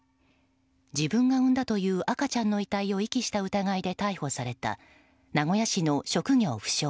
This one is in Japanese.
自分が産んだという赤ちゃんの遺体を遺棄した疑いで逮捕された、名古屋市の職業不詳